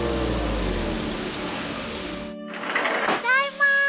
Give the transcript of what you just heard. ただいまー！